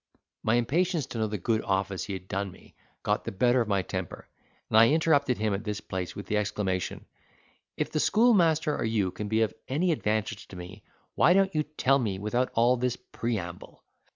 My impatience to know the good office he had done me, got the better of my temper, and I interrupted him at this place with the exclamation, "If the schoolmaster or you can be of any advantage to me, why don't you tell me without all this preamble?"